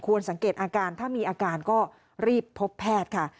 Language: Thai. สังเกตอาการถ้ามีอาการก็รีบพบแพทย์ค่ะ